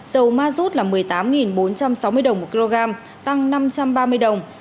dầu mazut là một mươi tám bốn trăm sáu mươi đồng một kg tăng năm trăm ba mươi đồng